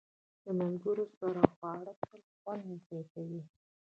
د ملګرو سره خواړه تل خوند زیاتوي.